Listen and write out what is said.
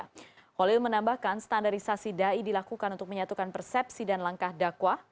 khalil menambahkan standarisasi dai dilakukan untuk menyatukan persepsi dan langkah dakwah